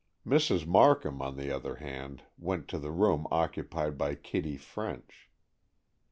Mrs. Markham, on the other hand, went to the room occupied by Kitty French.